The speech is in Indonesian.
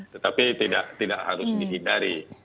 tetapi tidak harus dihindari